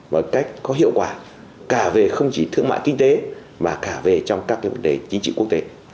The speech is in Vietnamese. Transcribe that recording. một cách có hiệu quả cả về không chỉ thương mại kinh tế mà cả về trong các vấn đề chính trị quốc tế